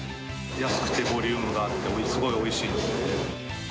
安くてボリュームがあって、すごいおいしいです。